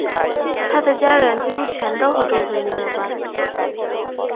她的家人几乎全部都和桌球运动有关。